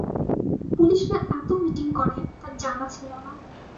পুলিশরা এত মিটিং করে, তাঁর জানা ছিল না।